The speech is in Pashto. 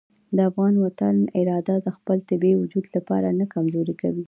د افغان وطن اراده د خپل طبیعي وجود لپاره نه کمزورې کوي.